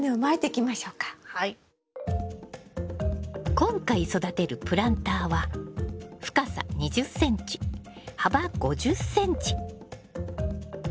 今回育てるプランターは深さ２０ｃｍ幅５０ｃｍ。